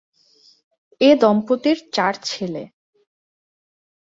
এ দম্পতির চার ছেলে।